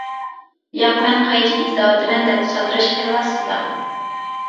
-ياق، مەن قايچىنى ئىزدەۋاتىمەن، -دەپتۇ ساتىراش پەرۋاسىزلا.